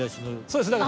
そうです。